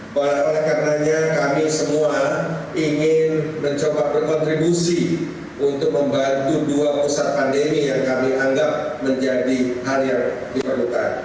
oleh karenanya kami semua ingin mencoba berkontribusi untuk membantu dua pusat pandemi yang kami anggap menjadi hal yang diperlukan